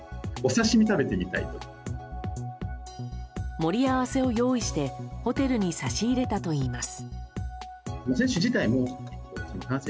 盛り合わせを用意してホテルに差し入れたといいます。